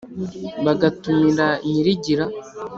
bagatumira nyirigira,